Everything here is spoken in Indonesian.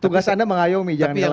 tugas anda mengayomi jangan galak galak